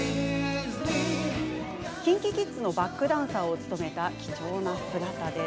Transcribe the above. ＫｉｎＫｉＫｉｄｓ のバックダンサーを務めた貴重な姿です。